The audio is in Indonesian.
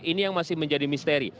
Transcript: ini yang masih menjadi misteri